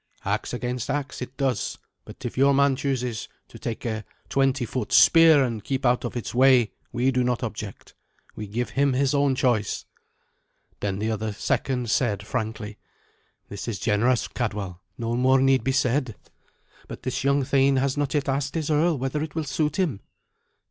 "Axe against axe it does, but if your man chooses to take a twenty foot spear and keep out of its way, we do not object. We give him his own choice." Then the other second said frankly, "This is generous, Cadwal. No more need be said. But this young thane has not yet asked his earl whether it will suit him."